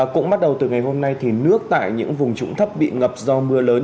cũng bắt đầu từ ngày hôm nay thì nước tại những vùng trũng thấp bị ngập do mưa lớn